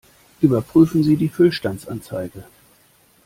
Überprüfen Sie die Füllstandsanzeige!